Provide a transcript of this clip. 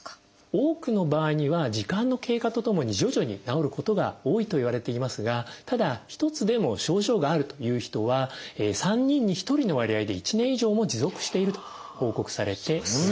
多くの場合には時間の経過とともに徐々に治ることが多いといわれていますがただ１つでも症状があるという人は３人に１人の割合で１年以上も持続していると報告されています。